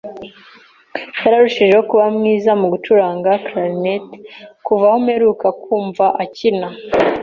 Yarushijeho kuba mwiza mu gucuranga Clarinet kuva aho mperuka kumva akina.